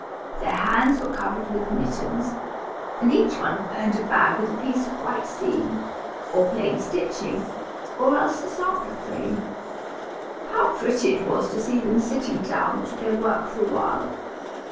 Their hands were covered with mittens, and each one earned a bag with a piece of white seam (or plain stitching), or else a sampler frame. How pretty it was to see them sitting down to their work for awhile!